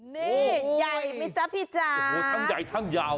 นี่ใหญ่มั้ยจ๊ะพี่จ้าทั้งใหญ่ทั้งยาว